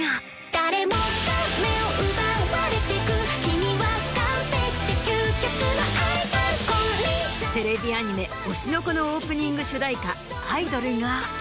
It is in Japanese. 誰もが目を奪われていく君は完璧で究極のアイドルテレビアニメ『推しの子』のオープニング主題歌。